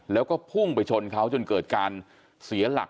แล้วก็พุ่งไปชนเขาจนเกิดการเสียหลัก